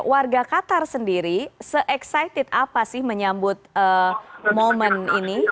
warga qatar sendiri se excited apa sih menyambut momen ini